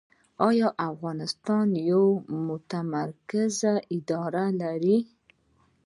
آیا افغانستان یو متمرکز اداري سیستم لري؟